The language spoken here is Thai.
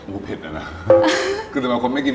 อู้วเผ็ดอันนั้น